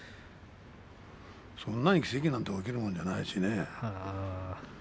そんなに奇跡なんて起きるものじゃないしね。